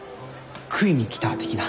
食いに来た的な？